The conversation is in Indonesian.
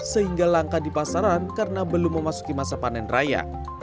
sehingga langka di pasaran karena belum memasuki masa panen raya